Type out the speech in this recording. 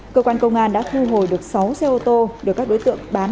cơ quan công an đã thu hồi được sáu xe ô tô được các đối tượng bán